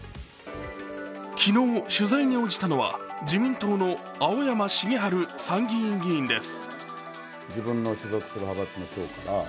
昨日、取材に応じたのは自民党の青山繁晴参議院議員です。